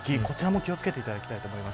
こちらも気をつけてください。